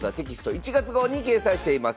１月号に掲載しています。